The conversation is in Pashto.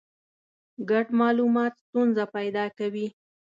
ګډ مالومات ستونزه پیدا کوي.